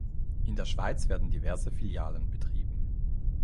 In der Schweiz werden diverse Filialen betrieben.